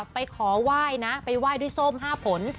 ไปขอไหว้นะไปไหว้ด้วยส้ม๕ผล